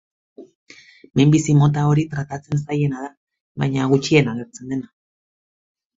Minbizi mota hori tratatzen zailena da, baina gutxien agertzen dena.